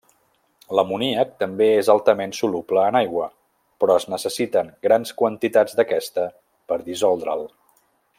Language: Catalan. L'amoníac també és altament soluble en aigua però es necessiten grans quantitats d'aquesta per dissoldre'l.